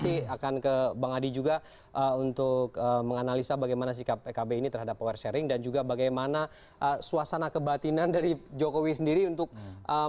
oke oke saya nanti akan ke bang hadi juga untuk menganalisa bagaimana sikap pkb ini terhadap power sharing dan juga bagaimana suasana kebatinan dari jokowi sendiri untuk membangun ini